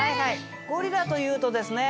ゴリラというとですね